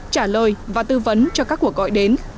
trả lời và tư vấn cho các cuộc gọi đến